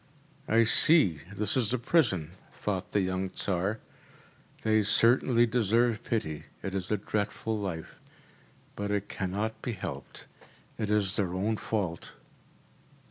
“I see this is a prison,‚ÄĚ thought the young Tsar. “They certainly deserve pity. It is a dreadful life. But it cannot be helped. It is their own fault.